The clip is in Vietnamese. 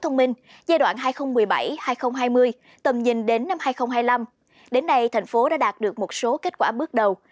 giai đoạn hai nghìn một mươi bảy hai nghìn hai mươi tầm nhìn đến năm hai nghìn hai mươi năm đến nay thành phố đã đạt được một số kết quả bước đầu